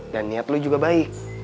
dan niat lo juga baik